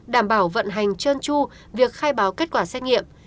đảm bảo vận hành chân chu việc khai báo kết quả xét nghiệm